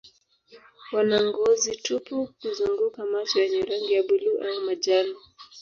Wana ngozi tupu kuzunguka macho yenye rangi ya buluu au majani.